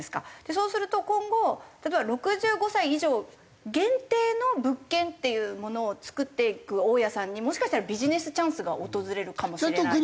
そうすると今後例えば６５歳以上限定の物件っていうものを作っていく大家さんにもしかしたらビジネスチャンスが訪れるかもしれないですし。